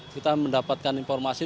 kita mendapatkan informasi